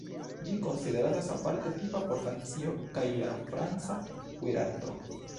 Ĝi konsideratas aparte tipa por Francio kaj la franca kuirarto.